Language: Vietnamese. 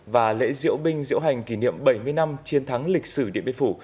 và lễ diễu binh diễu hành kỷ niệm bảy mươi năm chiến thắng lịch sử điện biên phủ